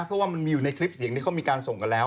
เพราะว่ามันมีอยู่ในคลิปเสียงที่เขามีการส่งกันแล้ว